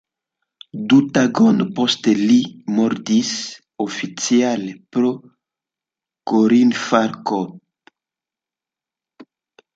Du tagojn poste li mortis, oficiale pro korinfarkto.